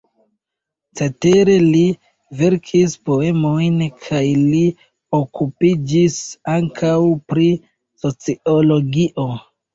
Cetere li verkis poemojn kaj li okupiĝis ankaŭ pri sociologio.